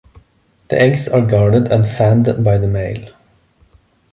The eggs are guarded and fanned by the male.